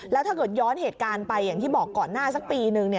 แล้วถ้าเกิดย้อนเหตุการณ์ไปอย่างที่บอกก่อนหน้าสักปีนึง